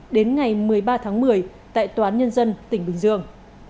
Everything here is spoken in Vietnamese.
đến ngày một mươi ba tháng một mươi tại tòa án nhân dân tỉnh bình dương